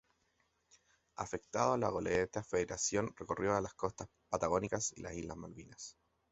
Afectado a la goleta "Federación", recorrió las costas patagónicas y las Islas Malvinas.